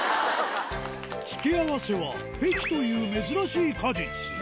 付け合わせは、ペキという珍しい果実。